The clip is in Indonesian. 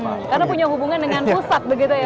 karena punya hubungan dengan pusat begitu ya pak ya